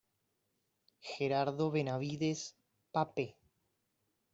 Gerardo Benavides Pape.